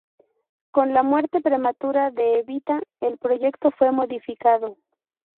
Con la muerte prematura de Evita, el proyecto fue modificado.